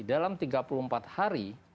dalam tiga puluh empat hari